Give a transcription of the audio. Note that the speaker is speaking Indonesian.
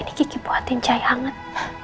ini kiki buatin cahaya hangat